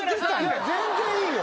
いや全然いいよ。